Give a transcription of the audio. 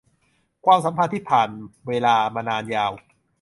ความสัมพันธ์ที่ผ่านเวลามานานยาว